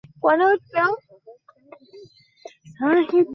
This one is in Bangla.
সব সেট এ যাও।